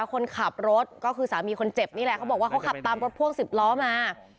คนขับรถก็คือสามีคนเจ็บนี่แหละเขาบอกว่าเขาขับตามรถพ่วง๑๐ล้อมา